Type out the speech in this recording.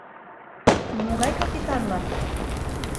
Могай капитанлан?